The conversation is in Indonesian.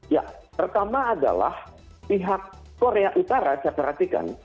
ya pertama adalah pihak korea utara saya perhatikan